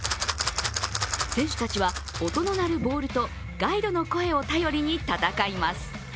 選手たちは音の鳴るボールとガイドの声を頼りに戦います。